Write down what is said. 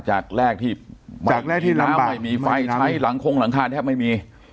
จากแรกที่จากแรกที่น้ำไม่มีไฟใช้หลังคงหลังคาแทบไม่มี